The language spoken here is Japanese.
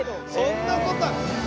そんなことは。